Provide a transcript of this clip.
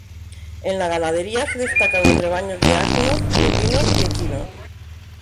En la ganadería se destacan los rebaños de asnos, bovinos y equinos.